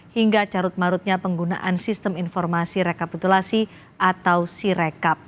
hingga carut marutnya penggunaan sistem informasi rekapitulasi atau sirekap